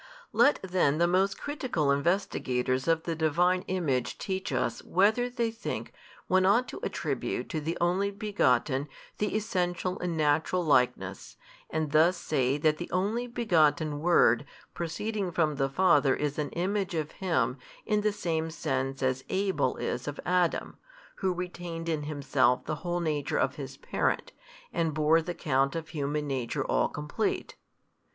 Let then the most critical investigators of the Divine Image teach us, whether they think one ought to attribute to the Only Begotten the Essential and Natural Likeness, and thus say that the Only Begotten Word proceeding from the Father is an Image of Him in the same sense as Abel is of Adam, who retained in himself the whole nature of his parent, and bore the count of human nature all complete?